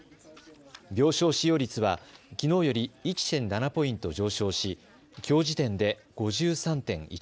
病床使用率はきのうより１．７ポイント上昇しきょう時点で５３．１％。